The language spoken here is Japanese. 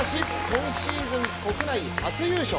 今シーズン国内初優勝。